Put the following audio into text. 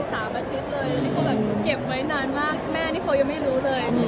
นิโคลแบบเก็บไว้นานมากแม่นิโคลยังไม่รู้เลย